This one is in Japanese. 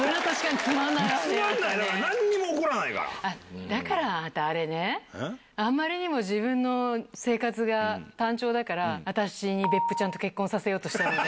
つまんないの、なんにも起こだから、あれね、あまりにも自分の生活が単調だから、私に別府ちゃんと結婚させようとしたのね。